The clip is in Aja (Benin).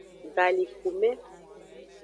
Galikume.